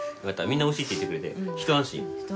みんなおいしいって言ってくれてひと安心。